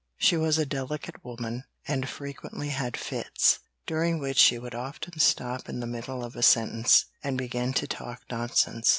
She was a delicate woman, and frequently had fits, during which she would often stop in the middle of a sentence, and begin to talk nonsense.